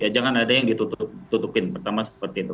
jangan ada yang ditutupin pertama seperti itu